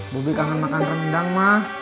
bobi kangen makan rendang mah